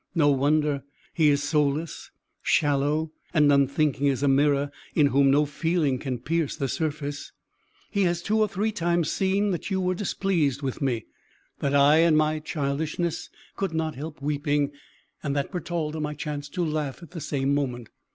No wonder; he is soulless, shallow, and unthinking as a mirror, in whom no feeling can pierce the surface. He has two or three times seen that you were displeased with me, that I in my childishness could not help weeping, and that Bertalda might chance to laugh at the same moment.